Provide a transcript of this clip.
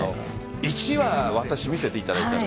１話、私見せていただいたんです。